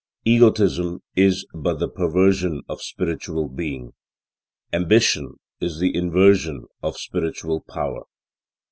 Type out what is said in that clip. Egotism is but the perversion of spiritual being. Ambition is the inversion of spiritual power.